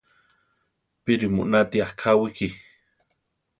¿Píri mu náti akáwiki?